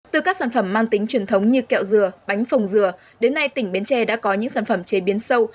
từ các sản phẩm mang tính truyền thống như kẹo dừa bánh phồng dừa đến nay tỉnh bến tre đã có những sản phẩm chế biến sâu